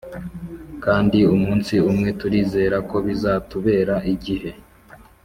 kandi umunsi umwe turizera ko bizatubera igihe!